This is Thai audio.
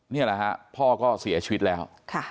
นี่แหละฮะพ่อก็เสียชีวิตแล้ว